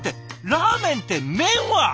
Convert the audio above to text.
ラーメンって麺は！？